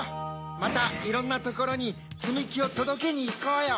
またいろんなところにつみきをとどけにいこうよ。